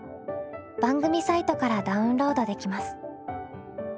番組サイトからダウンロードできます。